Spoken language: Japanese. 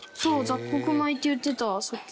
雑穀米って言ってたさっき。